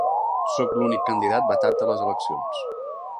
Sóc l’únic candidat vetat a les eleccions.